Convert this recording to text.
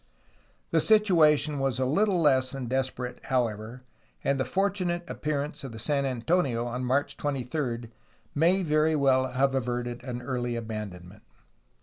The situation was Httle less than desperate, however, and the fortunate appearance of the San Antonio on March 23 may very well have averted an early abandonment.